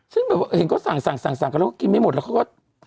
ซึ่งเห็นก็สั่งก็กินไม่หมดแล้วเขาก็